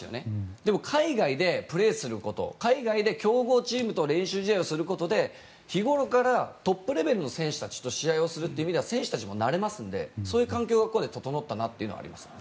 でも海外でプレーすること海外で強豪チームと練習試合をすることで日ごろからトップレベルの選手と試合をするという意味では選手たちも慣れますのでそういう環境がここで整ったなというのはあります。